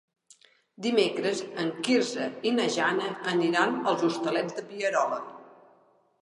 Dimecres en Quirze i na Jana aniran als Hostalets de Pierola.